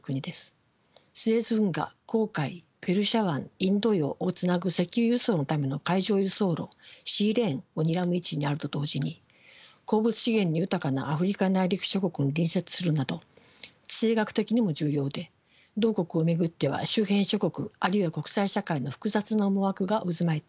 スエズ運河紅海ペルシャ湾インド洋をつなぐ石油輸送のための海上輸送路シーレーンをにらむ位置にあると同時に鉱物資源の豊かなアフリカ内陸諸国に隣接するなど地政学的にも重要で同国を巡っては周辺諸国あるいは国際社会の複雑な思惑が渦巻いています。